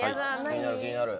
気になる気になる。